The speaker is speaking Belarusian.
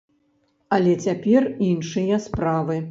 Але цяпер іншыя справы.